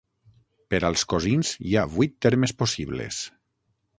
Per als cosins, hi ha vuit termes possibles.